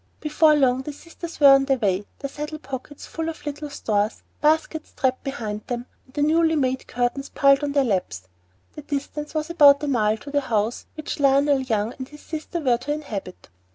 Before long the sisters were on their way, their saddle pockets full of little stores, baskets strapped behind them, and the newly made curtains piled on their laps. The distance was about a mile to the house which Lionel Young and his sister were to inhabit.